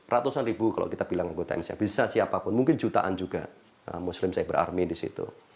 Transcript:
ratusan ribu kalau kita bilang anggota indonesia bisa siapapun mungkin jutaan juga muslim cyber army di situ